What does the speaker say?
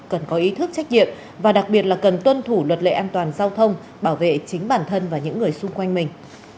cần có ý thức trách nhiệm và đặc biệt là cần tuân thủ luật lệ an toàn giao thông bảo vệ chính bản thân và những người xung quanh mình